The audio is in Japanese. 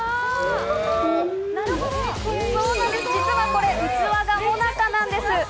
そうなんです、実はこれ、器がもなかなんです。